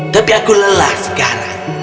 tapi aku lelah sekarang